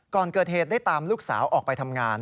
ก่อนเกิดเหตุได้ตามลูกสาวออกไปทำงาน